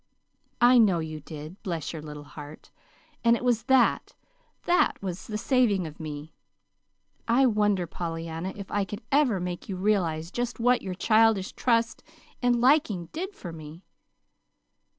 "I know you did bless your little heart! And it was that that was the saving of me. I wonder, Pollyanna, if I could ever make you realize just what your childish trust and liking did for me."